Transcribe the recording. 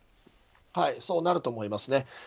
そうなると思いますね。